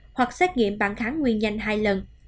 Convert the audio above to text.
hoặc xét nghiệm bản kháng nguyên nhanh hai lần